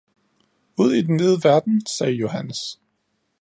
"Ud i den vide verden!" sagde Johannes.